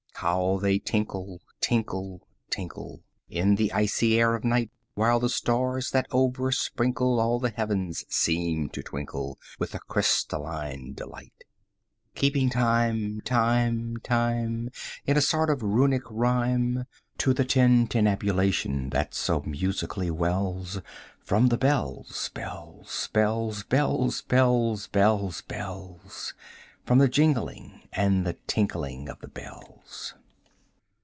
How they tinkle, tinkle, tinkle, In the icy air of night! 5 While the stars, that oversprinkle All the heavens, seem to twinkle With a crystalline deligit; Keeping time, time, time, In a sort of Runic rhyme, 10 To the tintinnabulation that so musically wells From the bells, bells, bells, bells, Bells, bells, bells From the jingling and the tinkling of the bells.